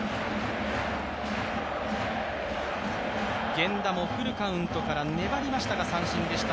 源田もフルカウントから粘りましたが三振でした。